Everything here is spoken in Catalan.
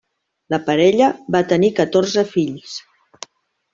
La parella va tenir catorze fills.